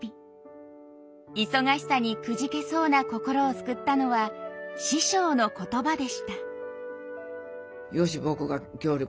忙しさにくじけそうな心を救ったのは師匠の言葉でした。